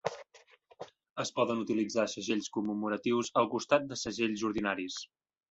Es poden utilitzar segells commemoratius al costat de segells ordinaris.